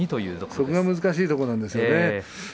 そこが難しいところですね。